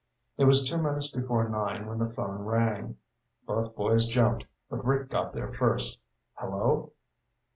It was two minutes before nine when the phone rang. Both boys jumped, but Rick got there first. "Hello?"